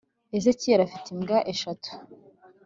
ezekiyeli afite imbwa eshatu